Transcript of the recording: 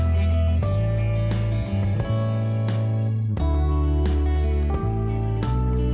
hẹn gặp lại